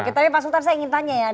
oke tapi pak sultan saya ingin tanya ya